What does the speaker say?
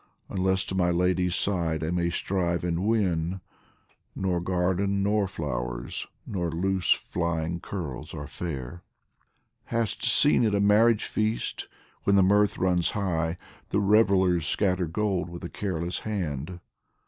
Unless to my Lady's side I may strive and win, Nor garden, nor flowers, nor loose flying curls are fair. 93 POEMS FROM THE Hast seen at a marriage feast, when the mirth runs high, The revellers scatter gold with a careless hand